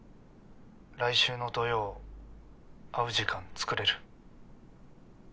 来週の土曜会う時間つくれる？